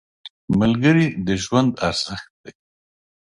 ملګری د ژوند ارزښت دی